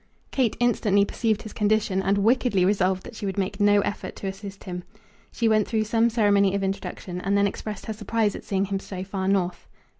Kate instantly perceived his condition, and wickedly resolved that she would make no effort to assist him. She went through some ceremony of introduction, and then expressed her surprise at seeing him so far north.